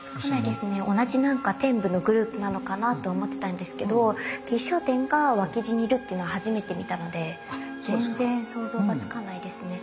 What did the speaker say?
同じ天部のグループなのかなって思ってたんですけど吉祥天が脇侍にいるっていうのは初めて見たので全然想像がつかないですね。